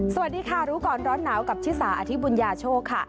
สวัสดีค่ะรู้ก่อนร้อนหนาวกับชิสาอธิบุญญาโชคค่ะ